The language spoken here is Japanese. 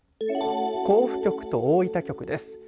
甲府局と大分局です。